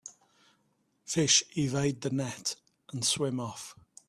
Fish evade the net and swim off.